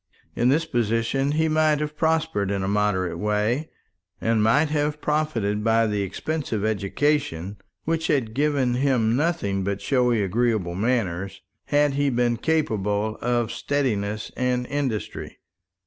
In this position he might have prospered in a moderate way, and might have profited by the expensive education which had given him nothing but showy agreeable manners, had he been capable of steadiness and industry.